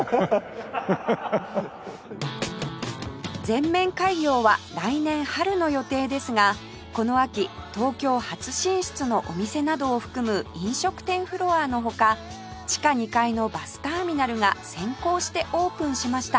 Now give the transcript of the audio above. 全面開業は来年春の予定ですがこの秋東京初進出のお店などを含む飲食店フロアの他地下２階のバスターミナルが先行してオープンしました